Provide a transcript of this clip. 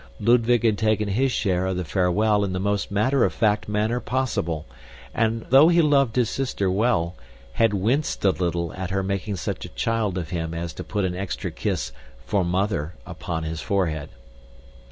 Ludwig had taken his share of the farewell in the most matter of fact manner possible, and though he loved his sister well, had winced a little at her making such a child of him as to put an extra kiss "for mother" upon his forehead.